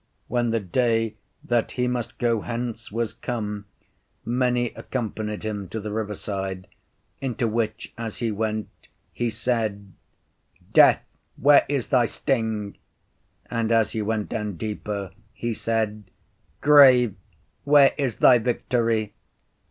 When the day that he must go hence was come, many accompanied him to the river side, into which as he went he said, Death, where is thy sting? And as he went down deeper he said, Grave, where is thy victory?